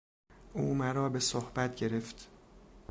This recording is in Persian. او مرا به صحبت گرفت.